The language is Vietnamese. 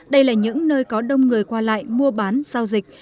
đây là những nơi có đông người qua lại mua bán giao dịch